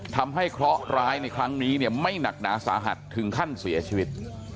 เคราะห์ร้ายในครั้งนี้เนี่ยไม่หนักหนาสาหัสถึงขั้นเสียชีวิต